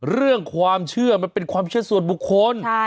เรื่องความเชื่อมันเป็นความเชื่อส่วนบุคคล